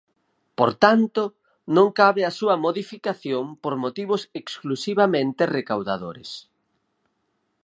Por tanto, non cabe a súa modificación por motivos exclusivamente recaudadores.